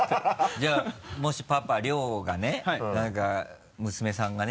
じゃあもしパパ諒がね娘さんがね